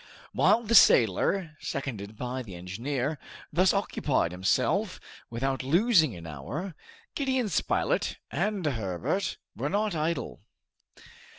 While the sailor, seconded by the engineer, thus occupied himself without losing an hour, Gideon Spilett and Herbert were not idle.